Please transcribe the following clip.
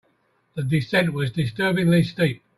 The descent was disturbingly steep.